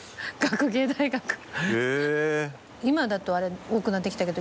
学芸大学。